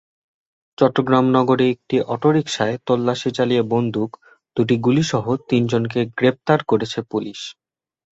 চট্টগ্রাম নগরে একটি অটোরিকশায় তল্লাশি চালিয়ে বন্দুক, দুটি গুলিসহ তিনজনকে গ্রেপ্তার করেছে পুলিশ।